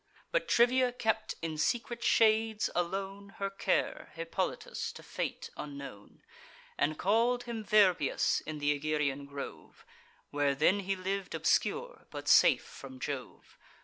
But Trivia kept in secret shades alone Her care, Hippolytus, to fate unknown; And call'd him Virbius in th' Egerian grove, Where then he liv'd obscure, but safe from Jove.